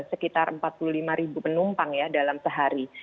sekitar empat puluh lima ribu penumpang ya dalam sehari